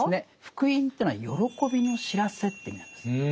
福音というのは喜びの知らせという意味なんです。